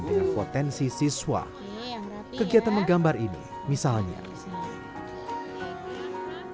dengan potensi siswa dan kakek dan pemakaman belajar untuk melakukan kategori kesehatan dan ekonomi dan mengucapkan penuhi kesehatan